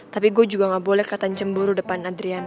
tapi gue juga gak boleh kata cemburu depan adriana